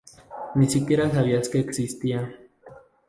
ni siquiera sabías que existía